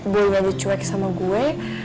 gue udah dicuek sama gue